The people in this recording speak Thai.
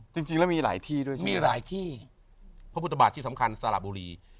จริงแล้วมีหลายที่ด้วยใช่ไหมมีหลายที่พระพุทธบาทที่สำคัญสระบุรี